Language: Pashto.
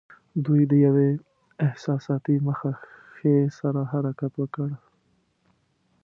دوی د یوې احساساتي مخه ښې سره حرکت وکړ.